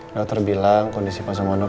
dokter bilang kondisi pak sumarno